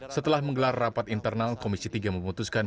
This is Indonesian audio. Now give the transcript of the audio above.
setelah menggelar rapat internal komisi tiga memutuskan